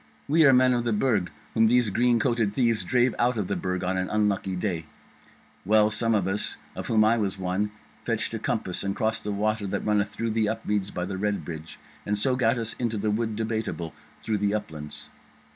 We are men of the Burg whom these green coated thieves drave out of the Burg on an unlucky day. Well, some of us, of whom I was one, fetched a compass and crossed the water that runneth through Upmeads by the Red Bridge, and so gat us into the Wood Debateable through the Uplands.